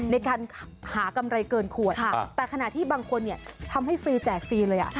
ในการหากำไรเกินขวดแต่ขณะที่บางคนทำให้ฟรีแจกฟรีเลย